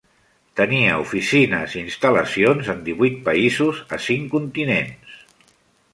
Tenia oficines i instal·lacions en divuit països a cinc continents.